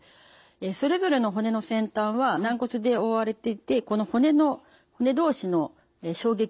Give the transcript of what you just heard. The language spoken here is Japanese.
それぞれの骨の先端は軟骨で覆われていてこの骨同士の衝撃を吸収しています。